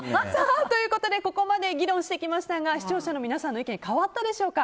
ここまで議論してきましたが視聴者の皆さんの意見変わったでしょうか。